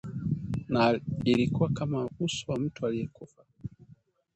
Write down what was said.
Na ilikuwa kama uso wa mtu aliyekufa